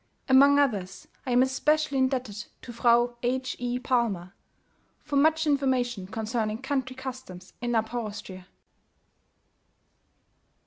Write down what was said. Among others, I am especially indebted to Fr. H. E. Palmer, for much information concerning country customs in Upper Austria.